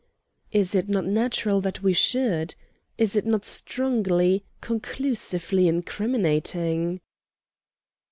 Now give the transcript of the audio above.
"Is it not natural that we should? Is it not strongly, conclusively incriminating?"